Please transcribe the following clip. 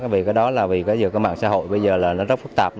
vì cái đó là vì cái mạng xã hội bây giờ là nó rất phức tạp